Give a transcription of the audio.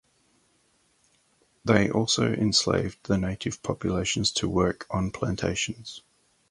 They also enslaved the native populations to work on plantations.